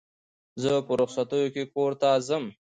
زه په رخصتیو کښي کور ته ځم.